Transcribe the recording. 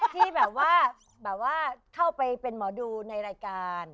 ที่แบบว่าแบบว่าเข้าไปเป็นหมอดูในรายการ